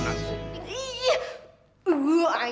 masih ada nasi